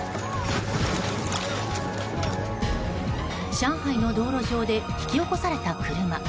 上海の道路上で引き起こされた車。